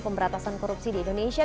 pemberantasan korupsi di indonesia